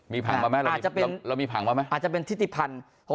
มีผังบ้างมั้ยเรามีผังบ้างมั้ยอาจจะเป็นที่ติดพันธุ์